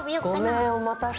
ごめんお待たせ。